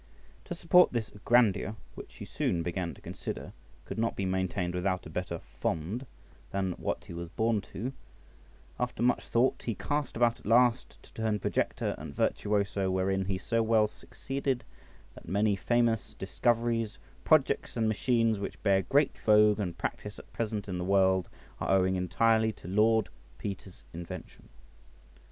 To support this grandeur, which he soon began to consider could not be maintained without a better fonde than what he was born to, after much thought he cast about at last to turn projector and virtuoso, wherein he so well succeeded, that many famous discoveries, projects, and machines which bear great vogue and practice at present in the world, are owing entirely to Lord Peter's invention.